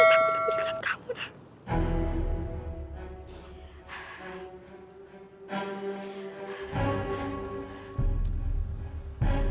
aku takutkan diri dengan kamu